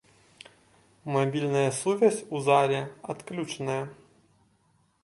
Мабільная сувязь у зале адключаная.